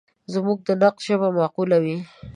زموږ د نقد ژبه معقوله وي.